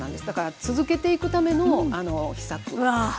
だから続けていくための秘策。